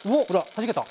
はじけた！